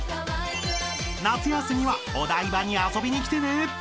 ［夏休みはお台場に遊びに来てね］